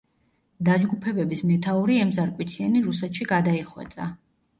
დაჯგუფებების მეთაური ემზარ კვიციანი რუსეთში გადაიხვეწა.